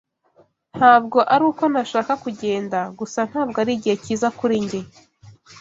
Ntabwo ari uko ntashaka kugenda, gusa ntabwo arigihe cyiza kuri njye.